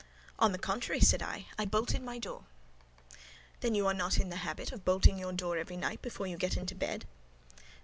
"On the contrary," said I, "I bolted my door." "Then you are not in the habit of bolting your door every night before you get into bed?"